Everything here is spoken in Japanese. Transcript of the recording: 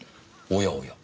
おやおや。